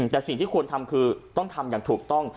แต่สิ่งที่ควรทำคือต้องทำอย่างถูกต้อง